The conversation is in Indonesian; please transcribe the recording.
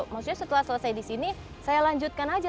maksudnya setelah selesai di sini saya lanjutkan aja